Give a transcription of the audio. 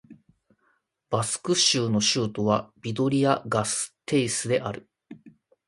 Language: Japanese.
バスク州の州都はビトリア＝ガステイスである